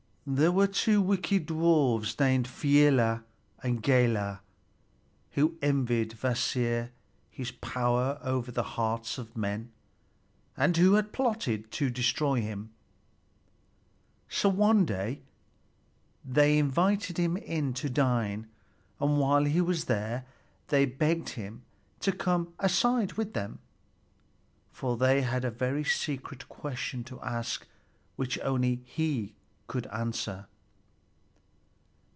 There were two wicked dwarfs named Fialar and Galar who envied Kvasir his power over the hearts of men, and who plotted to destroy him. So one day they invited him to dine, and while he was there, they begged him to come aside with them, for they had a very secret question to ask, which only he could answer.